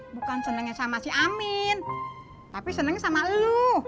bukan senengnya sama si amin tapi senengnya sama elu